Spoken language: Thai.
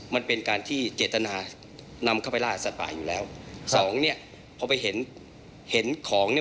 มันเป็นการที่เจตนานำเข้าไปล่าสัตว์ป่าอยู่แล้วสองเนี้ยพอไปเห็นเห็นของเนี่ย